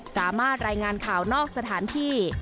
สามารถรายงานข่าวนอกสถานที่